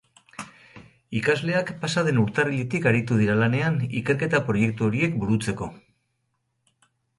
Ikasleak pasa den urtarriletik aritu dira lanean ikerketa proiektu horiek burutzeko.